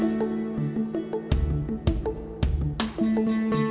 saya harus bisa perbaik